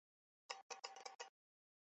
有的也会被潮商雇往戏园表演。